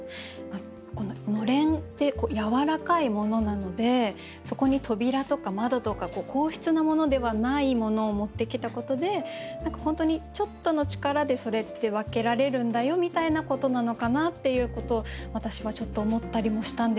こののれんって柔らかいものなのでそこに扉とか窓とか硬質なものではないものを持ってきたことで何か本当にちょっとの力でそれって分けられるんだよみたいなことなのかなということを私はちょっと思ったりもしたんですけど。